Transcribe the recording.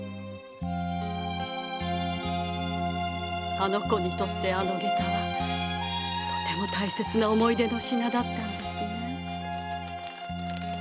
あの子にとってあの下駄は大切な思い出の品だったんですね。